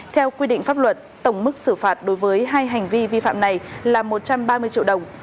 theo quy định pháp luật tổng mức xử phạt đối với hai hành vi vi phạm này là một trăm ba mươi triệu đồng